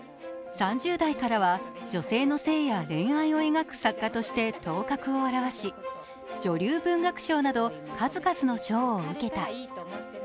３０代からは女性の性や恋愛を描く作家として頭角を現し、女流文学賞など数々の賞を受賞した。